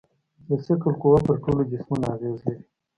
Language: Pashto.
د ثقل قوه پر ټولو جسمونو اغېز لري.